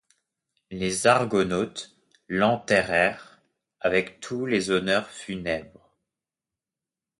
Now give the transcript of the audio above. Les Argonautes l'enterrèrent avec tous les honneurs funèbres.